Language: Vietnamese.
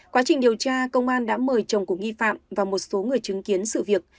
quá trình điều tra công an đã mời chồng của nghi phạm và một số người chứng kiến sự việc